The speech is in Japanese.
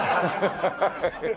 ハハハハ。